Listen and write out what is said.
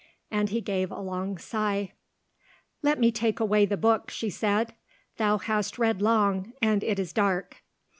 and he gave a long sigh. "Let me take away the book," she said. "Thou hast read long, and it is dark."